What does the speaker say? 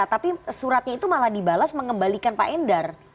tapi suratnya itu malah dibalas mengembalikan pak endar